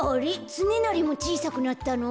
つねなりもちいさくなったの？